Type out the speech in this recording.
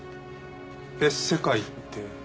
別世界って？